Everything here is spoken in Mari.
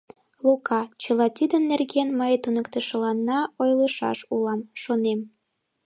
Лука, чыла тидын нерген мый туныктышыланна ойлышаш улам, шонем.